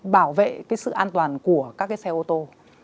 bảo vệ sự an toàn của các xe ô tô